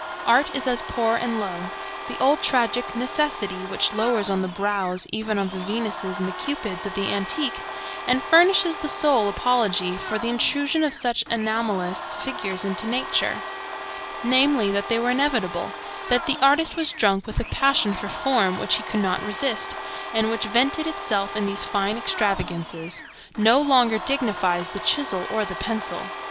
Art is as poor and low. The old tragic Necessity, which lowers on the brows even of the Venuses and the Cupids of the antique, and furnishes the sole apology for the intrusion of such anomalous figures into nature,—namely, that they were inevitable; that the artist was drunk with a passion for form which he could not resist, and which vented itself in these fine extravagances,—no longer dignifies the chisel or the pencil.